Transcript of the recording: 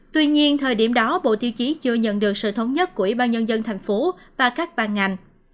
tuy nhiên thời điểm đó bộ tiêu chí chưa nhận được sự thống nhất của ủy ban nhân dân tp hcm và các ban ngành